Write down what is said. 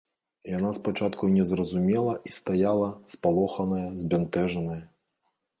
Яна спачатку не зразумела і стаяла, спалоханая, збянтэжаная.